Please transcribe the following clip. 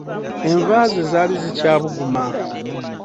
Enva ze zaali zikyabuguma.